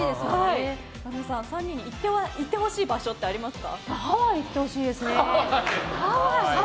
神田さん、３人に行ってほしい場所ってありますか？